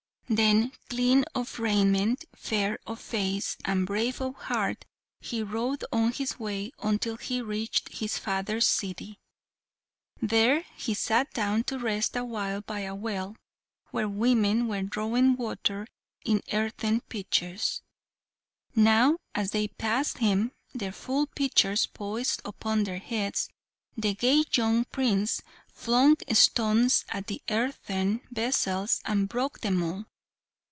Then, clean of raiment, fair of face, and brave of heart, he rode on his way until he reached his father's city. There he sat down to rest awhile by a well, where the women were drawing water in earthen pitchers. Now, as they passed him, their full pitchers poised upon their heads, the gay young Prince flung stones at the earthen vessels, and broke them all.